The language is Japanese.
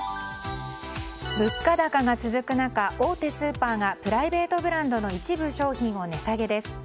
物価高が続く中大手スーパーがプライベートブランドの一部商品を値下げです。